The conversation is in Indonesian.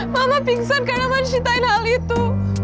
mama pingsan karena mencintai hal itu